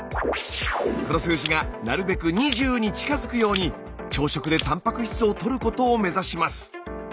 この数字がなるべく２０に近づくように朝食でたんぱく質をとることを目指します。